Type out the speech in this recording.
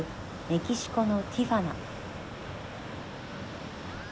メキシコのティファナ。